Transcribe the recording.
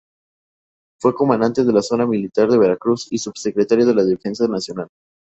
Fue comandante de la Zona Militar de Veracruz y Subsecretario de la Defensa Nacional.